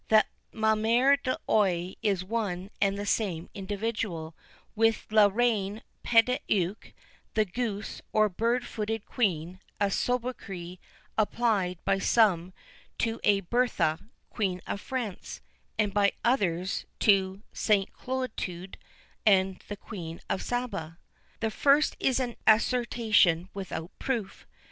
That Ma Mère l'Oye is one and the same individual with La Reine Pédauque, the goose or bird footed Queen, a soubriquet applied by some to a Bertha, Queen of France; and by others to St. Clotilde and the Queen of Saba. The first is an assertion without proof.